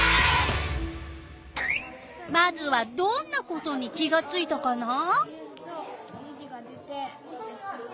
まずはどんなことに気がついたかな？